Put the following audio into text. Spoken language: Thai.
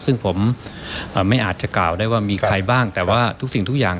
ซึ่งผมไม่อาจจะกล่าวได้ว่ามีใครบ้างแต่ว่าทุกสิ่งทุกอย่าง